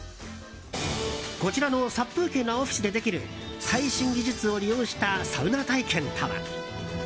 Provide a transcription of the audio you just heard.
こちらの殺風景なオフィスでできる最新技術を利用したサウナ体験とは。